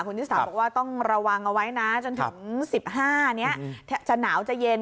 คุณชิสาบอกว่าต้องระวังเอาไว้นะจนถึง๑๕นี้จะหนาวจะเย็น